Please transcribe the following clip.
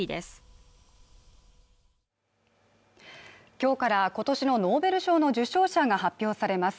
今日から今年のノーベル賞の受賞者が発表されます。